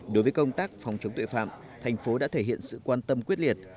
đối với công tác phòng chống tội phạm thành phố đã thể hiện sự quan tâm quyết liệt